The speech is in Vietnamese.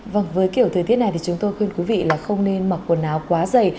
vâng với kiểu thời tiết này thì chúng tôi khuyên quý vị là không nên mặc quần áo quá dày